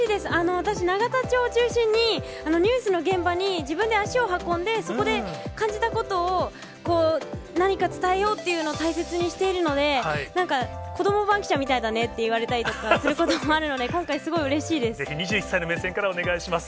私、永田町を中心に、ニュースの現場に自分で足を運んで、そこで感じたことを、何か伝えようっていうのを大切にしているので、なんか、子ども番記者みたいだねって言われたりすることもあるので、ぜひ、２１歳の目線からお願いします。